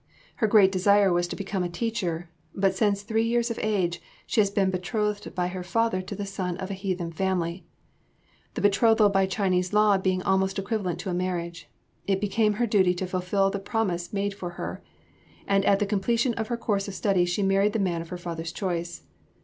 Her great desire was to become a teacher, but since three years of age she had been betrothed by her father to the son of a heathen family the betrothal by Chinese law being almost equivalent to a marriage it became her duty to fulfil the promise made for her, and at the completion of her course of study she married the man of her father's choice.